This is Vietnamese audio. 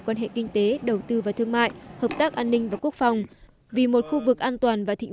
quan hệ kinh tế đầu tư và thương mại hợp tác an ninh và quốc phòng vì một khu vực an toàn và thịnh